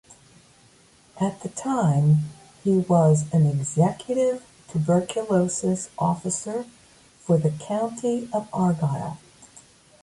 At the time he was an Executive Tuberculosis officer for the County of Argyll.